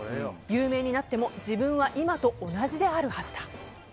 有名になっても自分は今と同じであるはずだ。